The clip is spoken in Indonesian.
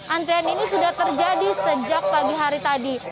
antrian ini sudah terjadi sejak pagi hari tadi